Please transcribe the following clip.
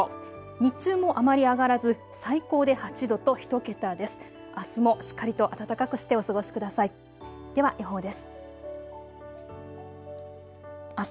日中もあまり上がらず最高で８度と１桁です。